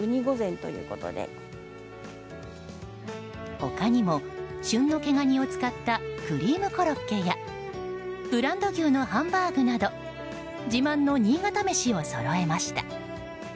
他にも、旬の毛ガニを使ったクリームコロッケやブランド牛のハンバーグなど自慢の新潟メシをそろえました。